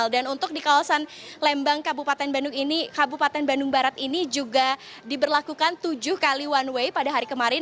dan untuk di kawasan lembang kabupaten bandung ini kabupaten bandung barat ini juga diberlakukan tujuh kali one way pada hari kemarin